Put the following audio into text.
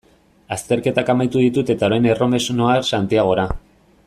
Azterketak amaitu ditut eta orain erromes noa Santiagora.